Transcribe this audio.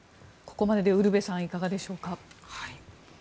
ここまででウルヴェさんいかがでしょうか。